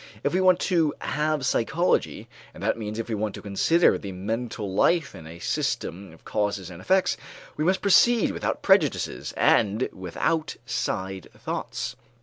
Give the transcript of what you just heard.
If we want to have psychology, and that means if we want to consider the mental life in a system of causes and effects, we must proceed without prejudices, and without side thoughts.